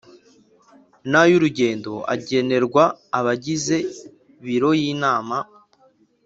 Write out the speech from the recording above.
n ay urugendo agenerwa abagize Biro y Inama